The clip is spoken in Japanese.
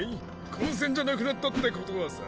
混戦じゃなくなったってことはさ